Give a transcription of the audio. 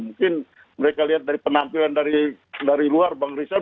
mungkin mereka lihat dari penampilan dari luar bang rizal